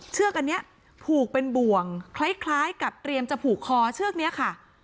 เชือกอันนี้ผูกเป็นบ่วงคล้ายกับเตรียมจะผูกคอเชือกนี้ค่ะ